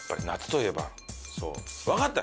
わかった！